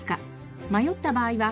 迷った場合は＃